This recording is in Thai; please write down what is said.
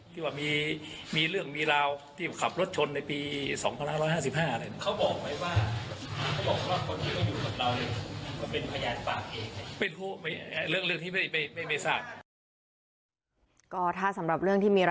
ที่ว่ามีเรื่องมีราวที่ขับรถชนในปี๒๕๕๕อะไร